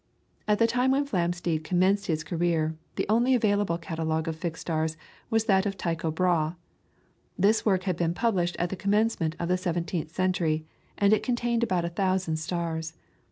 At the time when Flamsteed commenced his career, the only available catalogue of fixed stars was that of Tycho Brahe. This work had been published at the commencement of the seventeenth century, and it contained about a thousand stars.